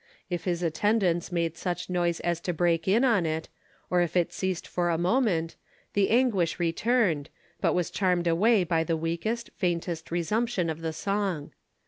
If his attendants made such noise as to break in on it, or if it ceased for a moment, the anguish returned, but was charmed away by the weakest, faintest resumption of the song.